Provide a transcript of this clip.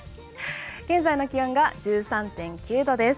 現在の気温が１３．９度です。